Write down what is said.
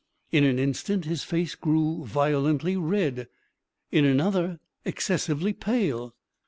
In an instant his face grew violently red in another excessively pale.